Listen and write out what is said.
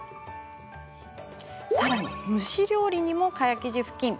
さらに、蒸し料理にも蚊帳生地ふきん。